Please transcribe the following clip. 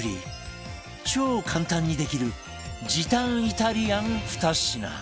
超簡単にできる時短イタリアン２品